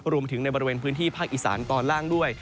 ในบริเวณพื้นที่ภาคอีสานตอนล่างด้วย